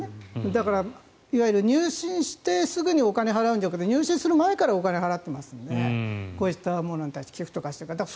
だから、いわゆる入信してすぐにお金を払うんじゃなくて入信する前からお金を払っていますのでこうしたものに対して寄付とかをしている方は。